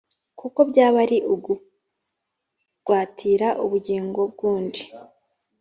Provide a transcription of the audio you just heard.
kuko byaba ari ukugwatira ubugingo bw’undi.